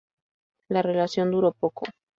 La relación duró poco.